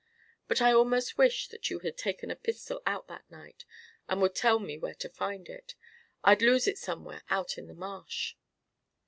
But I almost wish that you had taken a pistol out that night and would tell me where to find it. I'd lose it somewhere out in the marsh."